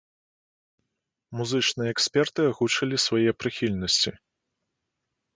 Музычныя эксперты агучылі свае прыхільнасці.